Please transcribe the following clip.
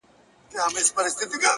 o چي در رسېږم نه ـ نو څه وکړم ه ياره ـ